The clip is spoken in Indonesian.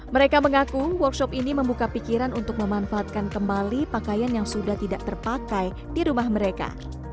mereka mengaku workshop ini membuka pikiran untuk memanfaatkan kembali pakaian yang sudah tidak terpakai di rumah mereka